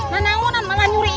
nanda malah nyuri